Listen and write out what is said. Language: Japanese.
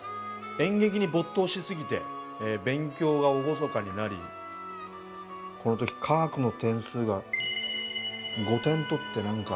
演劇に没頭しすぎて勉強がおろそかになりこの時化学の点数が５点取って何か。